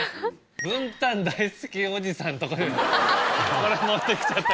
文旦大好きおじさんのところにこれ持ってきちゃったから。